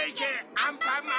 アンパンマン！